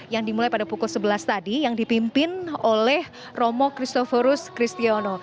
yang dimulai pada pukul sebelas tadi yang dipimpin oleh romo christoforus kristiono